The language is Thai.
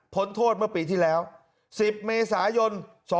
โทษเมื่อปีที่แล้ว๑๐เมษายน๒๕๖